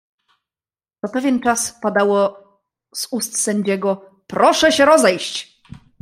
"Co pewien czas padało z ust sędziego: „proszę się rozejść“."